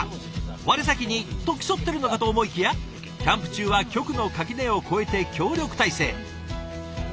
我先に！と競ってるのかと思いきやキャンプ中は局の垣根を超えて協力体制。